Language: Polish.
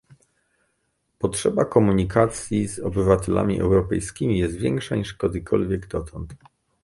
Potrzeba komunikacji z obywatelami europejskimi jest większa, niż kiedykolwiek dotąd